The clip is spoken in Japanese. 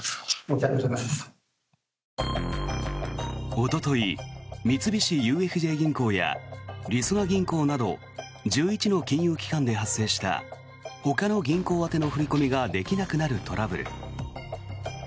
おととい、三菱ＵＦＪ銀行やりそな銀行など１１の金融機関で発生したほかの銀行宛ての振り込みができなくなるトラブル。